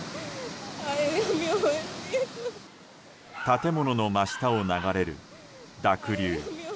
建物の真下を流れる濁流。